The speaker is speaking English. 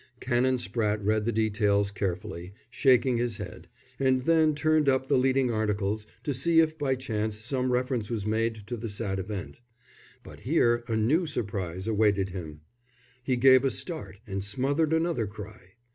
Canon Spratte read the details carefully, shaking his head, and then turned up the leading articles to see if by chance some reference was made to the sad event. But here a new surprise awaited him. He gave a start and smothered another cry.